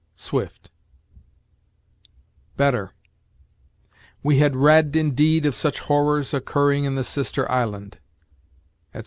Swift. Better: "We had read, indeed, of such horrors occurring in the sister island," etc.